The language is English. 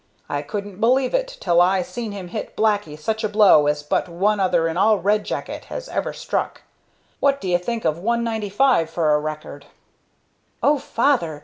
I couldn't believe it till I seen him hit 'Blacky' such a blow as but one other in all Red Jacket has ever struck. What do you think of one ninety five for a record?" "Oh, father!